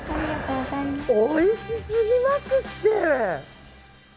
おいしすぎますって！